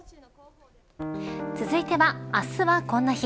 続いては、あすはこんな日。